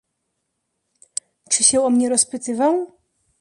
"Czy się o mnie rozpytywał?"